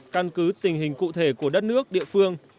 căn cứ tình hình cụ thể của đất nước địa phương